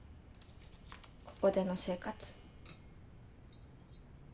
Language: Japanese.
ここでの生活。